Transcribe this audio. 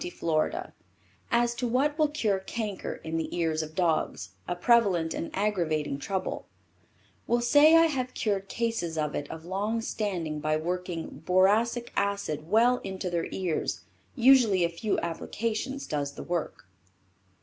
Florida, as to what will cure canker in the ears of dogs, a prevalent and aggravating trouble: Will say I have cured cases of it of long standing by working boracic acid well into their ears, usually a few applications does the work.